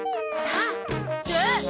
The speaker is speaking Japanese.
さあ。